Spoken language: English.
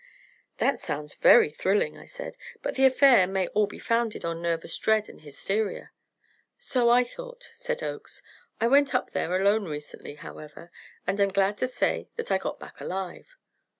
"That sounds very thrilling," I said; "but the affair may all be founded on nervous dread and hysteria." "So I thought," said Oakes. "I went up there alone recently, however, and am glad to say that I got back alive."